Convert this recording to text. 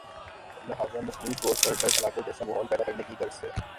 لہذا مصنوعی طور پر گرم علاقوں جیسا ماحول پیدا کرنے کی غرض سے